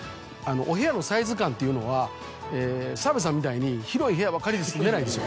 お部屋のサイズ感っていうのは澤部さんみたいに広い部屋ばっかに住んでないです。